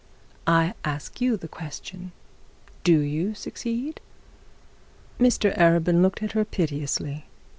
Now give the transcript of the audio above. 'I ask you the question: do you succeed?' Mr Arabin looked at her piteously.